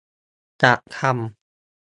จัดทำ